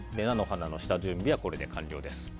菜の花の下準備はこれで完了です。